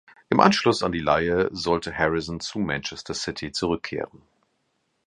Im Anschluss an die Leihe sollte Harrison zu Manchester City zurückkehren.